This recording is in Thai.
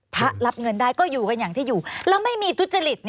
รับเงินได้ก็อยู่กันอย่างที่อยู่แล้วไม่มีทุจริต